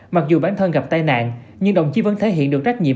mặc dù bản thân gặp tai nạn nhưng đồng chí vẫn thể hiện được trách nhiệm